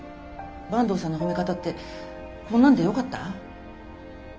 坂東さんの褒め方ってこんなんでよかった？